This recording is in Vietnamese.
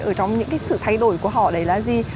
ở trong những cái sự thay đổi của họ đấy là gì